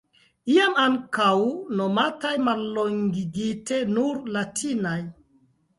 Iam ankaŭ nomataj mallongigite nur "latinaj".